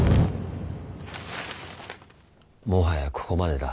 もはやここまでだ。